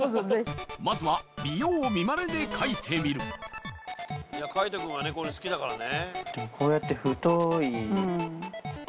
まずは見よう見まねで描いてみる海人君はこういうの好きだからね。